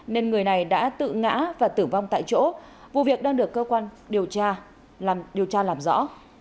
nên người này đã tự ngã và tử vong tại chỗ vụ việc đang được cơ quan điều tra làm rõ